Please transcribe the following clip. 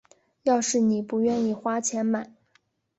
要是妳不愿意花钱买